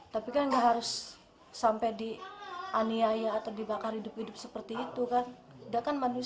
tapi kan gak harus sampai di aniaya atau dibakar hidup hidup seperti itu kan